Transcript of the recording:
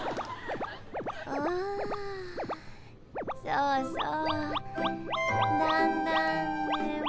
そうそう。